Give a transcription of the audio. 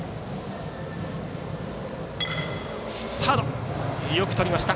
サード、よくとりました。